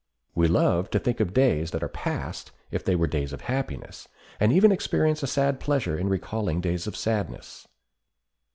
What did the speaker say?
We love to think of days that are past if they were days of happiness, and even experience a sad pleasure in recalling days of sadness.